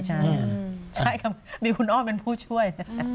ใช่ใช่ครับมีคุณอ้อมเป็นผู้ช่วย